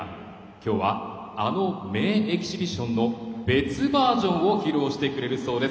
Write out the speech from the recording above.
きょうはあの名エキシビジョンの別バージョンを披露してくれるそうです。